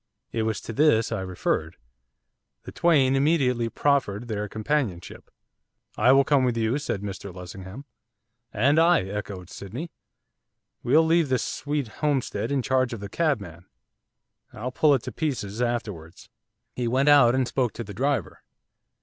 It was to this I referred. The twain immediately proffered their companionship. 'I will come with you,' said Mr Lessingham. 'And I,' echoed Sydney. 'We'll leave this sweet homestead in charge of the cabman, I'll pull it to pieces afterwards.' He went out and spoke to the driver.